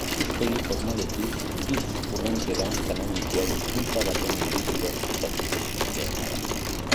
Ikuspegi formaletik, hitz-hurrenkera kanonikoa hizkuntza baten egitura sintaktiko sinpleena da.